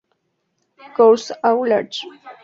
Course Au Large".